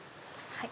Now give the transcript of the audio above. はい。